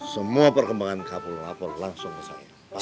semua perkembangan kapol lapor langsung ke saya